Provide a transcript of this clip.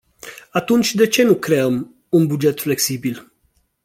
Atunci de ce nu creăm un buget flexibil?